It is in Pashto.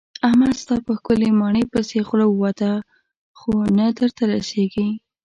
احمد ستا په ښکلې ماڼۍ پسې خوله ووته خو نه درته رسېږي.